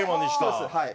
そうですはい。